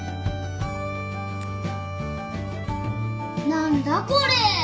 何だこれ？